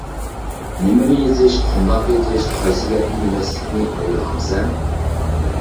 نېمىنى يېزىش، قانداق يېزىش، قايسى گەپنى دېمەسلىكنى ئويلىغانسەن.